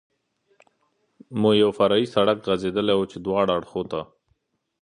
مو یو فرعي سړک غځېدلی و، چې دواړو اړخو ته.